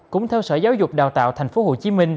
cũng theo sở giáo dục đào tạo tp hcm